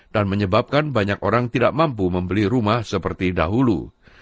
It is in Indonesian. dan menyebabkan banyak orang tidak mampu membeli rumah seperti dahulu